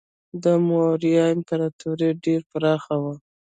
د موریا امپراتوري ډیره پراخه وه.